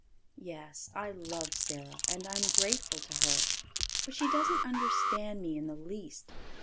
Yes, I love Sara, and I'm grateful to her. But she doesn't understand me in the least.